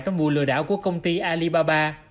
trong vụ lừa đảo của công ty alibaba